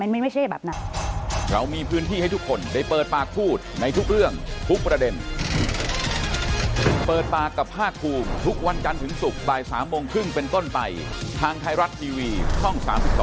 มันไม่ใช่แบบนั้น